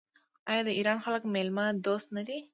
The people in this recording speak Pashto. آیا د ایران خلک میلمه دوست نه دي؟